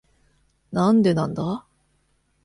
なんでなんだ？